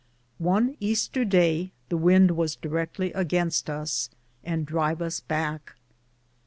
One Easter day the wynd was direcktly againste us, and drive us backe.